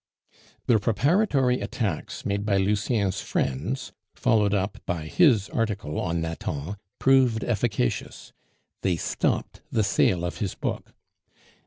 The preparatory attacks made by Lucien's friends, followed up by his article on Nathan, proved efficacious; they stopped the sale of his book.